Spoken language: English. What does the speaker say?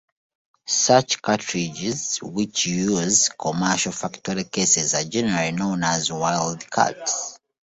Such cartridges which use commercial factory cases are generally known as wildcats.